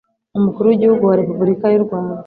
umukuru wigihugu wa Repubulika y'urwanda